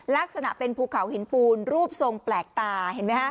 ลักษณะเป็นภูเขาหินปูนรูปทรงแปลกตา